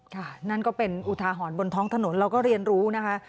นั่นก็เป็นอุทาหรณ์บนท้องถนนเราก็เรียนรู้นะคะ